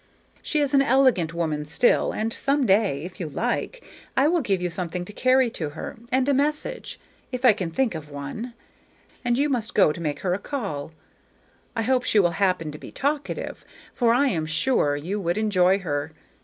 She is an elegant woman still, and some day, if you like, I will give you something to carry to her, and a message, if I can think of one, and you must go to make her a call. I hope she will happen to be talkative, for I am sure you would enjoy her.